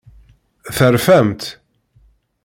Terfamt?